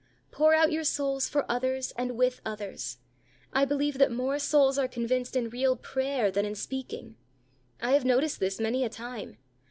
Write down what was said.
Pour out your souls for others and with others. I believe that more souls are convinced in real prayer, than in speaking. I have noticed this many a time.